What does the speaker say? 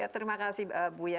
terima kasih buya